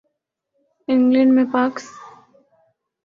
England میں پاکس